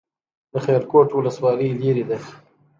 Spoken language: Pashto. د خیرکوټ ولسوالۍ لیرې ده